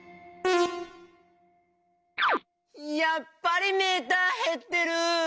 やっぱりメーターへってる！